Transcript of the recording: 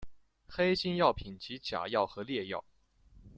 黑心药品即假药和劣药。